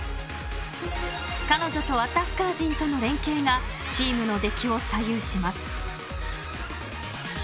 ［彼女とアタッカー陣との連携がチームの出来を左右します］